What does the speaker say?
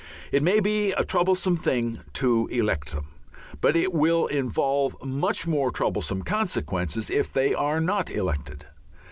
It may be a troublesome thing to elect them, but it will involve much more troublesome consequences if they are not elected.